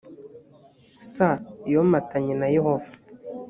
s yomatanye na yehova